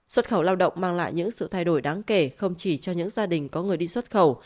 xuất khẩu lao động mang lại những sự thay đổi đáng kể không chỉ cho những gia đình có người đi xuất khẩu